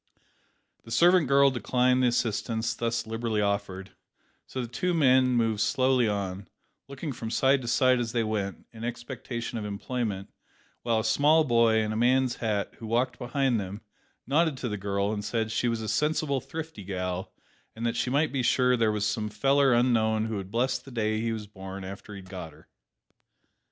The servant girl declined the assistance thus liberally offered, so the two men moved slowly on, looking from side to side as they went, in expectation of employment, while a small boy, in a man's hat, who walked behind them, nodded to the girl, and said she was a "sensible thrifty gal," and that she might be sure there was "some feller unknown who would bless the day he was born after he'd got her."